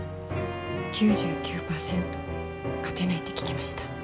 ９９％勝てないって聞きました。